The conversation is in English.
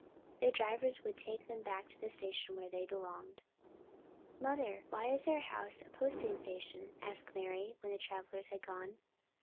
Their drivers would take them back to the station where they belonged. "Mother, why is our house a posting station?" asked Mari, when the travellers had gone.